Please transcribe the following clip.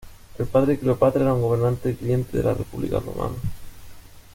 El padre de Cleopatra era un gobernante cliente de la República romana.